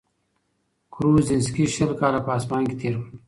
کروزینسکي شل کاله په اصفهان کي تېر کړل.